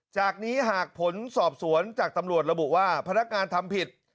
จากนี้หากผลสอบสวนจากตำรวจระบุว่าพนักงานทำผิด